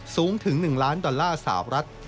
สูงถึง๑ล้านดอลลาร์สาวรัฐ